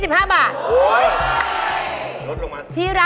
แพงนะ